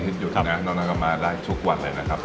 วันอาทิตย์หยุดนะน้องน้องก็มาได้ทุกวันเลยนะครับ